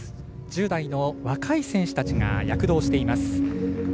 １０代の若い選手たちが躍動しています。